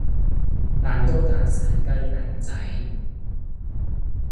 蛋糕蛋散雞蛋仔